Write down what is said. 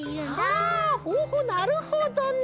あほうほうなるほどね。